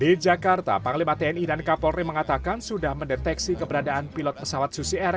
di jakarta panglima tni dan kapolri mengatakan sudah mendeteksi keberadaan pilot pesawat susi air